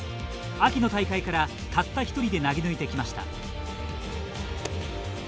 秋の大会から、たった一人で投げ抜いてきました。